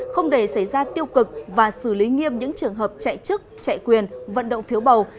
không để xảy ra tiêu cực và xử lý nghiêm những trường hợp chạy chức chạy quyền vận động phiếu bầu